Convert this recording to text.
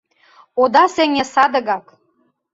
Ода сеҥе садыгак: